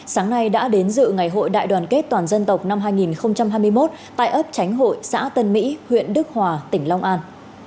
sáng nay đã đến dự ngày hội đại đoàn kết toàn dân tộc năm hai nghìn hai mươi một tại ấp chánh hội xã tân mỹ huyện đức hòa tỉnh long an